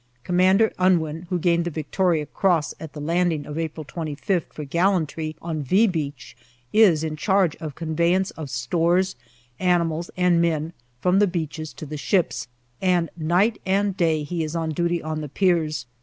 Commander Unwin, who gained the V.C. at the landing of April 25th for gallantly on " V " Beach, is in charge of conveyance of stores, animals, and men from the beaches to the ships, and night and day he is on duty on the piers.